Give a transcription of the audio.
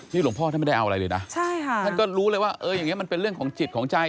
หลวงพ่อท่านไม่ได้เอาอะไรเลยนะใช่ค่ะท่านก็รู้เลยว่าเอออย่างนี้มันเป็นเรื่องของจิตของใจ